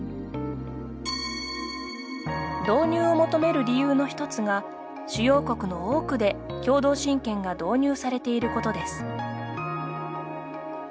導入を求める理由の１つが主要国の多くで共同親権が導入されていることです。